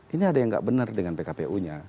ini ada yang nggak benar dengan pkpu nya